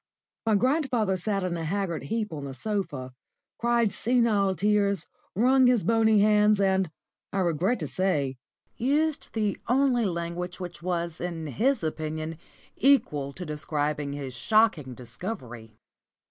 My grandfather sat in a haggard heap on the sofa, cried senile tears, wrung his bony hands, and, I regret to say, used the only language which was in his opinion equal to describing his shocking discovery.